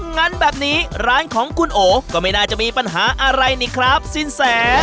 งั้นแบบนี้ร้านของคุณโอก็ไม่น่าจะมีปัญหาอะไรนี่ครับสินแส